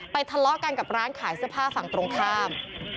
ทะเลาะกันกับร้านขายเสื้อผ้าฝั่งตรงข้าม